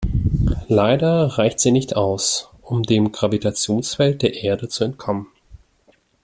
Leider reicht sie nicht aus, um dem Gravitationsfeld der Erde zu entkommen.